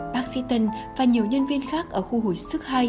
bác sĩ tân và nhiều nhân viên khác ở khu hồi sức hai